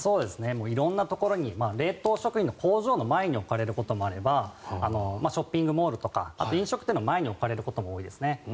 色んなところに冷凍食品の工場の前に置かれることもあればショッピングモールとか飲食店の前に置かれることも多いですね。